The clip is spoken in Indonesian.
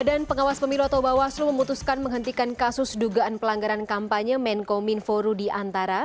dan pengawas pemilu atau bawaslu memutuskan menghentikan kasus dugaan pelanggaran kampanye menko minforu diantara